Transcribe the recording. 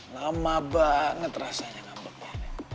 lama banget rasanya ngambeknya